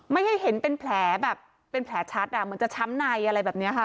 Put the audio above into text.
ไม่ให้เห็นเป็นแผลแบบเป็นแผลชัดอ่ะเหมือนจะช้ำในอะไรแบบนี้ค่ะ